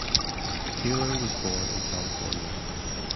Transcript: Taylor was born in California.